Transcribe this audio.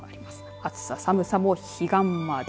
暑さ寒さも彼岸まで。